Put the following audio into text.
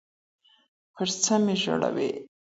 پـر څه مـي ژړوې